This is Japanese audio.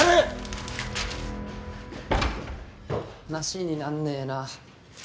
話になんねえな。